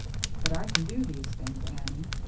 But I can do these things, Annie.